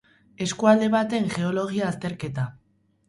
Eskualde baten geologia-azterketa.